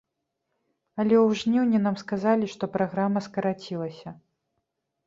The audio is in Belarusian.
Але ў жніўні нам сказалі, што праграма скарацілася.